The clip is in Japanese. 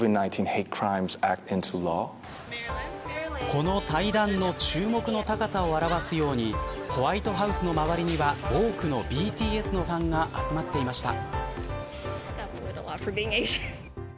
この対談の注目の高さを表すようにホワイトハウスの周りには多くのＢＴＳのファンが集まっていました。